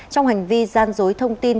trong hành vi gian dối thông tin